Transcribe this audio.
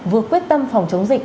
vừa quyết tâm phòng chống dịch